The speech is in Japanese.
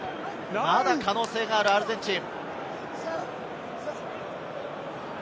まだ可能性があるアルゼンチン。